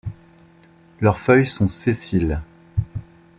Leurs feuilles sont sessiles.